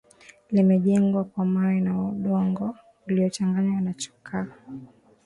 Limejengwa kwa mawe na udongo uliochanganywa na chokaa